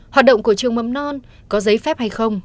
trách nhiệm của trẻ mầm non có giấy phép hay không